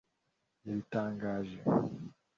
yabitangaje